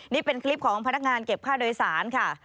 นี่เป็นคลิปของพนักงานเก็บค่าโดยสารค่ะ